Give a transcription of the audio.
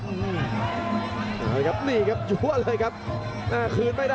พยายามจะไถ่หน้านี่ครับการต้องเตือนเลยครับ